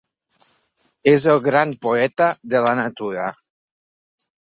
És el gran poeta de la natura.